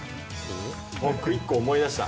僕１個思い出した。